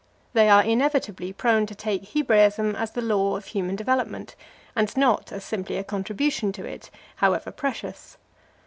They are inevitably prone to take Hebraism as the law of human development, and not as simply a contribution to it, however precious.